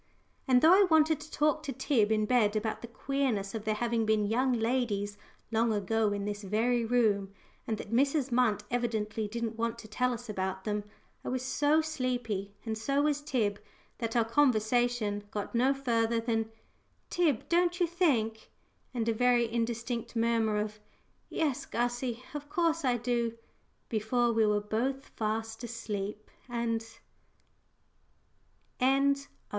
And though I wanted to talk to Tib in bed about the queerness of there having been young ladies long ago in this very room, and that Mrs. Munt evidently didn't want to tell us about them, I was so sleepy, and so was Tib, that our conversation got no further than, "Tib, don't you think " and a very indistinct murmur of "Yes, Gussie, of course I do," before we were both fast asleep and CHAPTER IV.